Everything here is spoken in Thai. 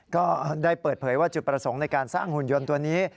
ก็ได้เปิดเผยว่าจุดประสงค์ในการสร้างหุ่นยนต์ตัวนี้